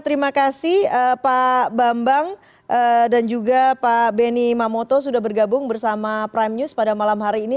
terima kasih pak bambang dan juga pak benny mamoto sudah bergabung bersama prime news pada malam hari ini